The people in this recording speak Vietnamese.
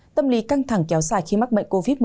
tâm lý căng thẳng kéo dài khi mắc bệnh covid một mươi chín